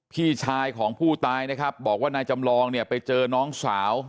พี่ชายของผู้ตายนะครับบอกว่านายจำลองเนี่ยไปเจอน้องสาว